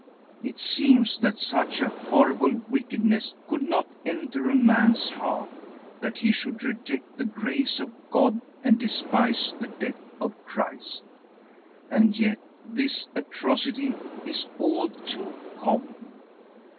It seems that such a horrible wickedness could not enter a man's heart, that he should reject the grace of God, and despise the death of Christ. And yet this atrocity is all too common.